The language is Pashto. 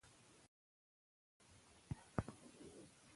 هوساینه د خلکو ترمنځ همکارۍ ته وده ورکوي.